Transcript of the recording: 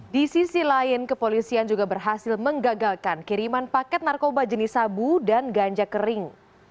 di sisi lain kepolisian juga berhasil menggagalkan kiriman paket narkoba jenis sabu dan ganja kering